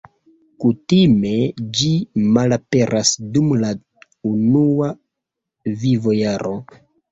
Kutime ĝi malaperas dum la unua vivojaro.